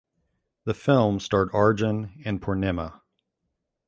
The film starred Arjun and Poornima.